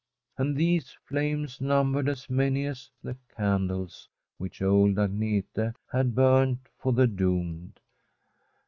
And these flames numbered as many as the candles which old Agnete had burned for the doomed.